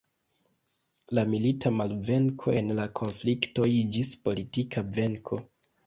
La milita malvenko en la konflikto iĝis politika venko.